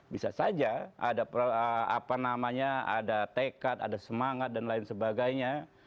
bisa saja ada apa namanya ada tekat ada semangat dan lain sebagainya